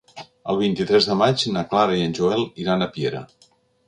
El vint-i-tres de maig na Clara i en Joel iran a Piera.